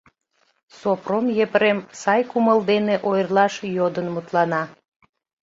Сопром Епрем сай кумыл дене ойырлаш йодын мутлана.